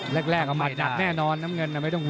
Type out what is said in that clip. แรกเอาหมัดหนักแน่นอนน้ำเงินไม่ต้องห่วง